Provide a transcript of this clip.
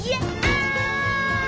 あ！